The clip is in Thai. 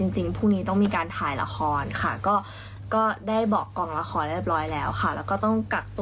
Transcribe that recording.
จริงพรุ่งนี้ต้องมีการถ่ายละครค่ะ